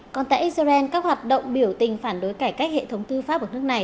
còn tại israel các hoạt động biểu tình phản đối cải cách hệ thống tư pháp của nước này